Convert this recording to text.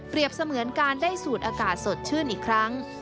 เสมือนการได้สูดอากาศสดชื่นอีกครั้ง